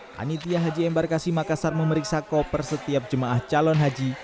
panitia haji embarkasi makassar memeriksa koper setiap jemaah calon haji